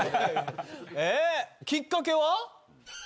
きっかけは？